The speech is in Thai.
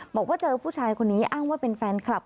บอกว่าเจอผู้ชายคนนี้อ้างว่าเป็นแฟนคลับ